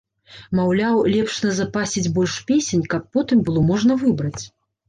Маўляў, лепш назапасіць больш песень, каб потым было можна выбраць.